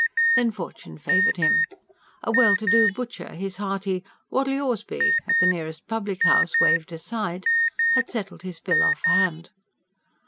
Then, fortune favoured him. A well to do butcher, his hearty: "What'll yours be?" at the nearest public house waved aside, had settled his bill off hand.